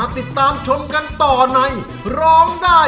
โดยการแข่งขาวของทีมเด็กเสียงดีจำนวนสองทีม